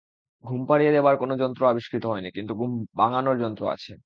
ঘুম পাড়িয়ে দেবার কোনো যন্ত্র আবিষ্কৃত হয় নি, কিন্তু ঘুম ভাঙানোর যন্ত্র আছে।